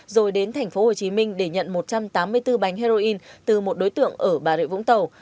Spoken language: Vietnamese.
rồi đến tp hcm để nhận một trăm tám mươi bốn bánh heroin từ một đối tượng ở bà rịa vũng tàu